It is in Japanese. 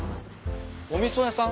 お味噌屋さん？